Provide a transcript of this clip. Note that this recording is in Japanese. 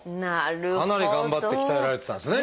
かなり頑張って鍛えられてたんですね。